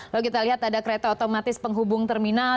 lalu kita lihat ada kereta otomatis penghubung terminal